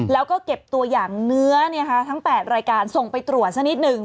แล้วก็เก็บตัวอย่างเนื้อทั้ง๘รายการส่งไปตรวจสักนิดหนึ่ง